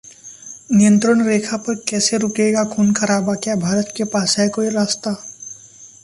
नियंत्रण रेखा पर कैसे रुकेगा खून खराबा, क्या भारत के पास है कोई रास्ता?